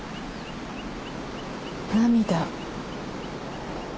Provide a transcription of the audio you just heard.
涙。